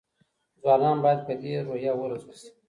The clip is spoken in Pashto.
ځوانان باید په دې روحیه وروزل شي.